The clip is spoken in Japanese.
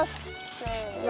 せの。